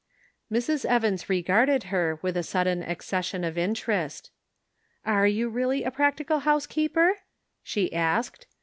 Mrs. Evans regarded her with a sudden ac cession of interest. "Are you really a practical housekeeper?" she asked.